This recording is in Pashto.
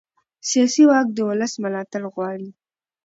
سیاسي واک د ولس ملاتړ غواړي